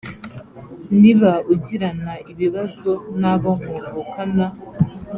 niba ugirana ibibazo n abo muvukana